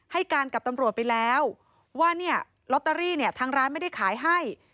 ให้การกับตำรวจไปแล้วว่าเนี่ยลอตเตอรี่เนี่ยทางร้านไม่ได้ขายให้